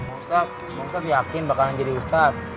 ustadz ustadz yakin bakalan jadi ustadz